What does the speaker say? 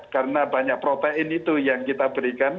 karena banyak protein itu yang kita berikan